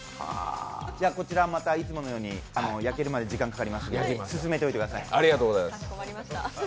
いつものように焼けるまで時間かかりますので進めておいてください。